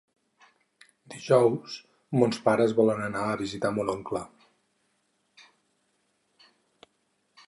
Dijous mons pares volen anar a visitar mon oncle.